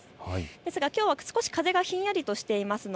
ですが、きょうは風が少しひんやりとしています。